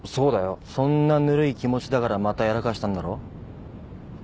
そんなぬるい気持ちだからまたやらかしたんだろ。